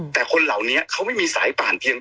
แต่คนเหล่านี้เขาไม่มีสายป่านเพียง